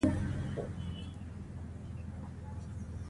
له اندازې ډېر بوخت پاتې کېدل ناراحتي رامنځته کوي.